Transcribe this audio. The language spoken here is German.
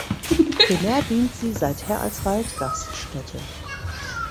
Primär dient sie seither als Waldgaststätte.